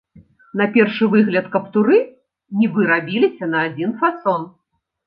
На першы выгляд каптуры нібы рабіліся на адзін фасон.